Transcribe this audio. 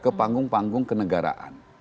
ke panggung panggung kenegaraan